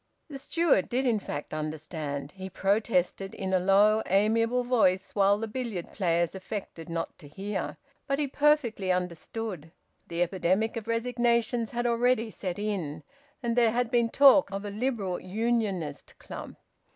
The steward did in fact understand. He protested in a low, amiable voice, while the billiard players affected not to hear; but he perfectly understood. The epidemic of resignations had already set in, and there had been talk of a Liberal Unionist Club.